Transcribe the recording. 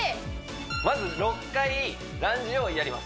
まず６回ランジをやります